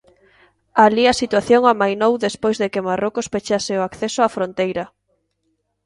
Alí a situación amainou despois de que Marrocos pechase o acceso á fronteira.